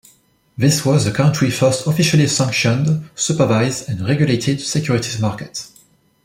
This was the country's first officially sanctioned, supervised, and regulated securities market.